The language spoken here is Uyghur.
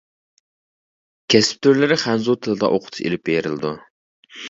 كەسىپ تۈرلىرى خەنزۇ تىلىدا ئوقۇتۇش ئېلىپ بېرىلىدۇ.